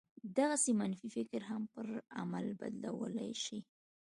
دغسې منفي فکر هم پر عمل بدلولای شي